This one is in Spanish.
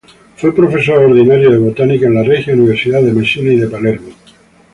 Fue profesor ordinario de Botánica en la "Regia Universidad de Mesina y de Palermo.